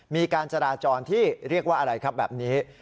มีการจราจรที่เรียกว่าอะไรครับแบบนี้